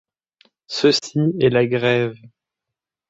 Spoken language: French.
Ceci est la Grève.